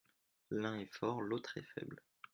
L’un est fort, l’autre est faible.